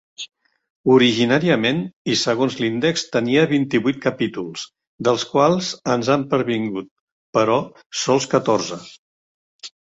Originàriament i segons l'índex, tenia vint-i-vuit capítols, dels quals ens han pervingut, però, sols catorze.